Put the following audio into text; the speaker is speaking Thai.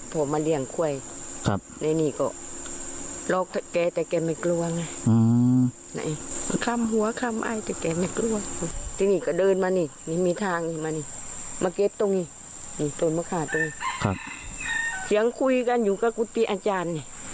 เสียงฮะโหรกก็ดีเบาหลอกก็ได้